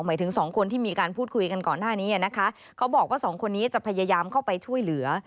หมายถึงสองคนที่มีการพูดคุยกันก่อนหน้านี้นะคะเขาบอกว่าสองคนนี้จะพยายามเข้าไปช่วยเหลือ